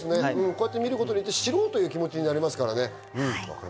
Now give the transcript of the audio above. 見ることによって知ろうという気持ちになれますからね。